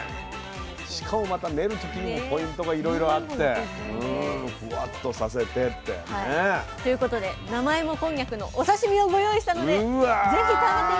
しかもまた練る時にもポイントがいろいろあってふわっとさせてって。ということで生芋こんにゃくのお刺身をご用意したので是非食べてみて下さい。